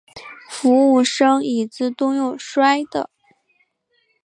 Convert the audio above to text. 服务生椅子都用摔的